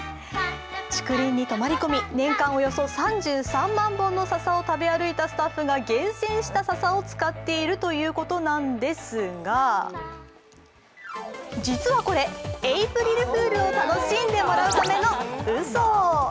竹林に泊まり込み、年間およそ３３万本のささを食べ歩いたスタッフが厳選したささを使っているということなんですが実はこれ、エイプリルフールを楽しんでもらうためのうそ。